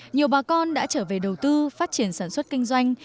nhiều bà con đã trở về đầu tư phát triển sản xuất kinh doanh